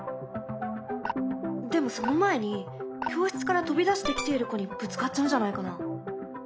でもその前に教室から飛び出してきている子にぶつかっちゃうんじゃないかな。